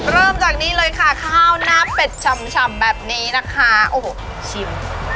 เริ่มจากนี้เลยค่ะข้าวหน้าเป็ดฉ่ำแบบนี้นะคะโอ้โหชิม